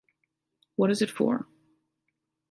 What is it for?